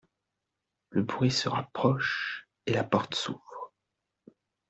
Le bruit se rapproche et la porte s’ouvre.